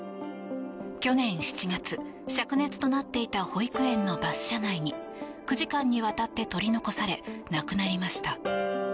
去年７月、しゃく熱となっていた保育園のバス車内に９時間にわたって取り残され亡くなりました。